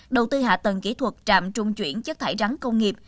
đầu tư hạ tầng kỹ thuật trạm trung chuyển chất thải rắn công nghiệp